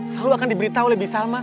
selalu akan diberitahu oleh bisalma